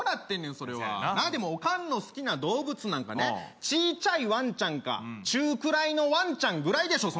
それはでもオカンの好きな動物なんかねちいちゃいワンちゃんか中くらいのワンちゃんぐらいでしょ